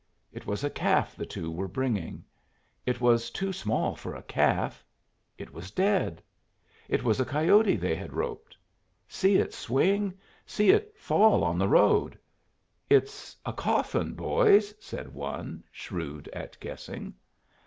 It was a calf the two were bringing. It was too small for a calf. It was dead. It was a coyote they had roped. See it swing! See it fall on the road! "It's a coffin, boys!" said one, shrewd at guessing.